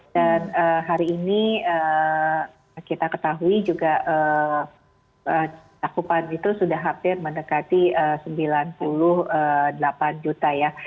dan hari ini kita ketahui juga takupan itu sudah hampir mendekati sembilan puluh delapan juta ya